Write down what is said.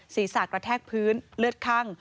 ศีรษะกระแทกพื้นเลือดคั่ง